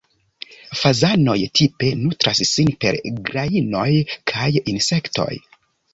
Fazanoj tipe nutras sin per grajnoj kaj insektoj.